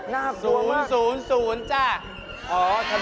ละม่อมเป็นใครครับ